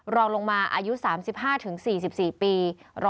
รองลงมาอายุ๓๕๔๔ปี๑๑๖๒๑